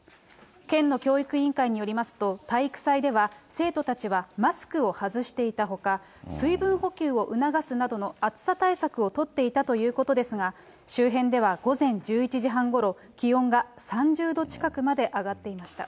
県の教育委員会によりますと、体育祭では生徒たちがマスクを外していたほか、水分補給を促すなどの暑さ対策を取っていたということですが、周辺では午前１１時半ごろ、気温が３０度近くまで上がっていました。